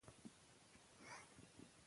که تاريخ رښتيا وای نو اختلاف به نه و.